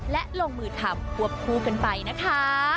และลงมือทำควบคู่กันไปนะคะ